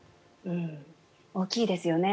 大きいですよね。